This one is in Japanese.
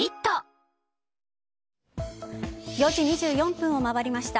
４時２４分を回りました。